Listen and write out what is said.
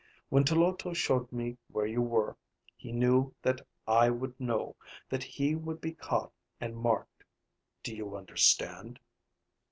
When Tloto showed me where you were, he knew that I would know, that he would be caught and marked. Do you understand?"